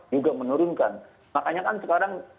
juga menurunkan makanya kan sekarang